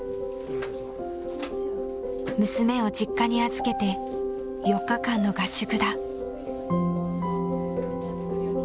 娘を実家に預けて４日間の合宿だ。